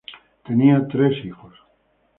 Tenía tres hijos.